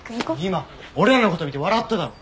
今俺らのこと見て笑っただろ。